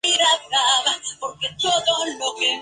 En gran parte de Europa, excepto Europa septentrional.